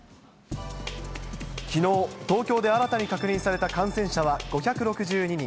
きのう、東京で新たに確認された感染者は５６２人。